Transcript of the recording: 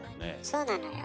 そうなのよ。